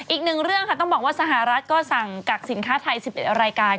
อีกหนึ่งเรื่องค่ะต้องบอกว่าสหรัฐก็สั่งกักสินค้าไทย๑๑รายการ